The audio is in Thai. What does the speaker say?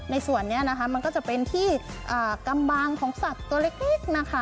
ในส่วนนี้นะคะมันก็จะเป็นที่กำบางของสัตว์ตัวเล็กนะคะ